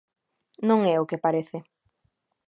Non é o que parece.